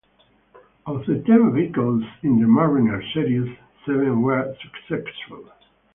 Of the ten vehicles in the Mariner series, seven were successful.